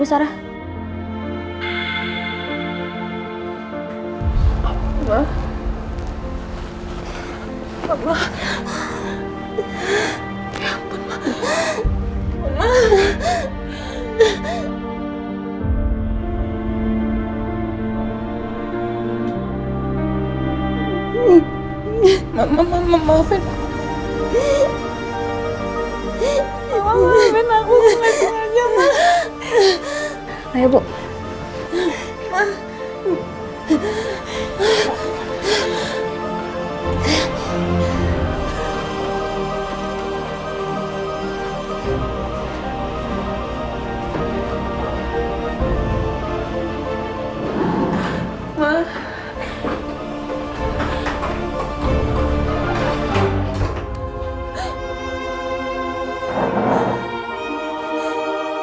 assalamualaikum warahmatullahi wabarakatuh